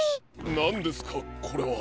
なんですかこれは？